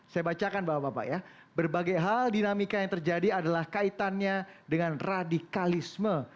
saya bacakan bapak bapak ya berbagai hal dinamika yang terjadi adalah kaitannya dengan radikalisme